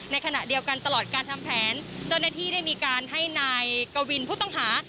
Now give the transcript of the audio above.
ในขณะเดียวกันตลอดการทำแผนเจ้าหน้าที่ได้มีการให้นายกวินผู้ต้องหา